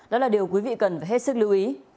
đó là điều quý vị cần phải hết sức lưu ý